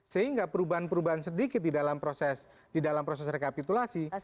sehingga perubahan perubahan sedikit di dalam proses rekapitulasi